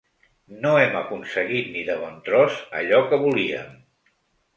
No hem aconseguit ni de bon tros allò que volíem.